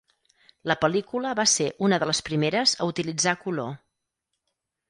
La pel·lícula va ser una de les primeres a utilitzar color.